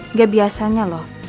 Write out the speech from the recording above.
nggak biasanya loh